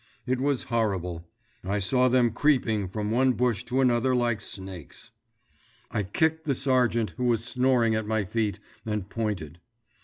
It was horrible. I saw them creeping from one bush to another like snakes. "I kicked the sergeant who was snoring at my feet and pointed.